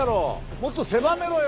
もっと狭めろよ！